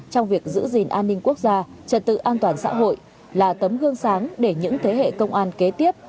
trong việc giữ gìn an ninh quốc gia trật tự an toàn xã hội là tấm gương sáng để những thế hệ công an kế tiếp